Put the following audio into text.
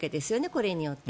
これによって。